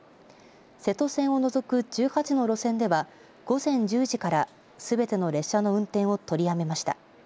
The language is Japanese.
瀬戸線を除く１８の路線では午前１０時からすべての列車の運転を取りやめました。